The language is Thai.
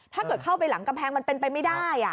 ถ้าเกิดเข้าไปหลังกำแพงมันเป็นไปไม่ได้